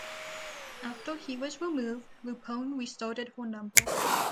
After he was removed, LuPone restarted her number.